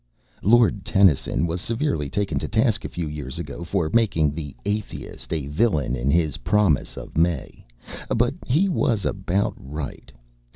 Lord Tennyson was severely taken to task a few years ago for making the Atheist a villain in his 'Promise of May,' but he was about right.